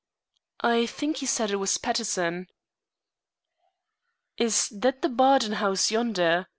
"I think he said it was Peterson." "Is that the Bardon house yonder?"